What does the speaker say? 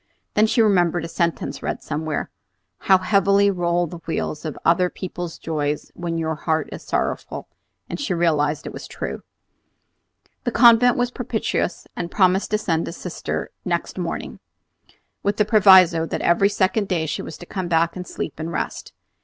Then she remembered a sentence read somewhere, "How heavily roll the wheels of other people's joys when your heart is sorrowful!" and she realized that it is true. The convent was propitious, and promised to send a sister next morning, with the proviso that every second day she was to come back to sleep and rest.